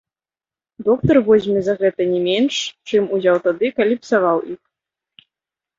Доктар возьме за гэта не менш, чым узяў тады, калі псаваў іх.